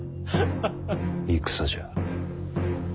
戦じゃ。